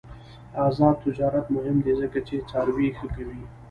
آزاد تجارت مهم دی ځکه چې څاروي ښه کوي.